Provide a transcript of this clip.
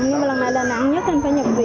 nhưng mà lần này là nặng nhất nên phải nhập viện